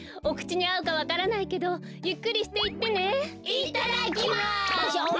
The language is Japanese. いただきます！